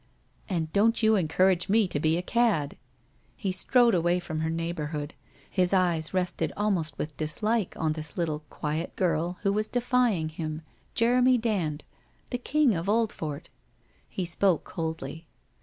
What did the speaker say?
* And don't you encourage me to be a cad !' He strode away from her neighbourhood, his eyes rested almost with dislike on this little quiet girl who was defying him, Jeremy Dand, the King of Oldfort. He spoke coldly.